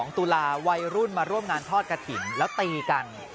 ตุลาวัยรุ่นมาร่วมงานทอดกระถิ่นแล้วตีกัน